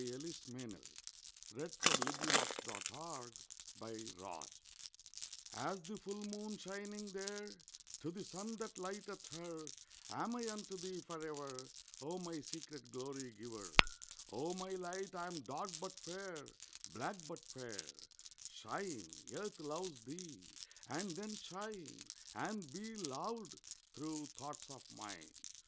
THE POET SINGS TO HER POET THE MOON TO THE SUN As the full moon shining there To the sun that lighteth her Am I unto thee for ever, O my secret glory giver! O my light, I am dark but fair, Black but fair. Shine, Earth loves thee! And then shine And be loved through thoughts of mine.